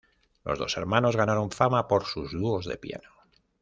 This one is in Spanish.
Los dos hermanos ganaron fama por sus dúos de piano.